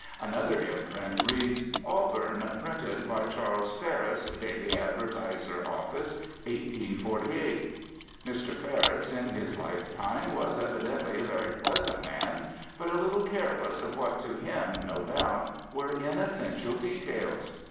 Another imprint reads, "Auburn, Printed by Charles Ferris, Daily Advertiser Office, 1848," Mr. Ferris, in his lifetime, was evidently a very pleasant man, but a little careless of what to him, no doubt, were inessential details.